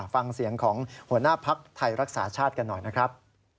ฟังเสียงของหัวหน้าภักดิ์ไทยรักษาชาติกันหน่อยนะครับ